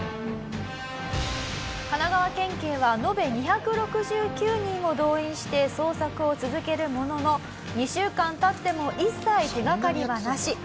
神奈川県警は延べ２６９人を動員して捜索を続けるものの２週間経っても一切手がかりはなし。